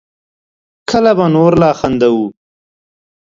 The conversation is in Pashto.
کله به نور لا خندوو